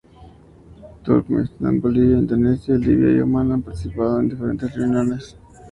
Turkmenistán, Bolivia, Indonesia, Libia y Omán han participado en diferentes reuniones ministeriales.